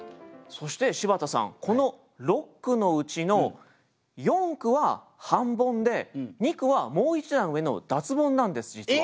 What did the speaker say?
そして柴田さんこの六句のうちの四句は半ボンで二句はもう一段上の脱ボンなんです実は。